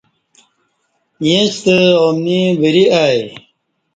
ییݩستہ اومنی وری آی۔